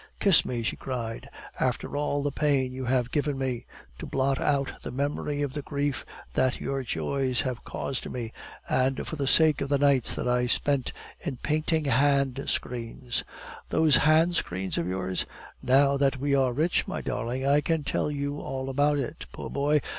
"Kiss me!" she cried, "after all the pain you have given me; to blot out the memory of the grief that your joys have caused me; and for the sake of the nights that I spent in painting hand screens " "Those hand screens of yours?" "Now that we are rich, my darling, I can tell you all about it. Poor boy!